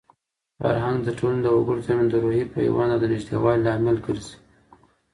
فرهنګ د ټولنې د وګړو ترمنځ د روحي پیوند او د نږدېوالي لامل ګرځي.